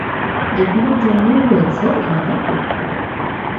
এগুলোর জন্যও রয়েছে আলাদা কক্ষ।